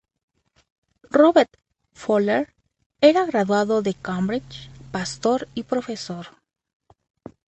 Robert Fowler era graduado de Cambridge, pastor y profesor.